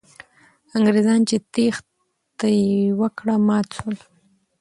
انګریزان چې تېښته یې وکړه، مات سول.